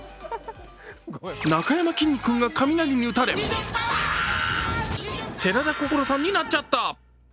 なかやまきんに君が雷に打たれ寺田心さんになっちゃった。